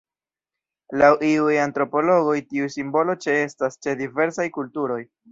Laŭ iuj antropologoj tiu simbolo ĉeestas ĉe diversaj kulturoj.